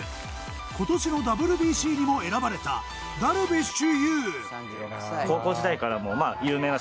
今年のＷＢＣにも選ばれたダルビッシュ有。